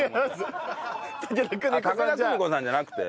武田久美子さんじゃなくて？